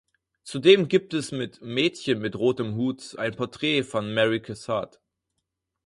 Zudem gibt es mit "Mädchen mit rotem Hut" ein Porträt von Mary Cassatt.